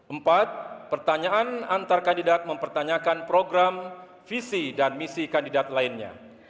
empat pertanyaan antar kandidat mempertanyakan program visi dan misi kandidat lainnya